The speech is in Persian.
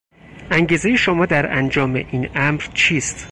انگیزهی شما در انجام این امر چیست؟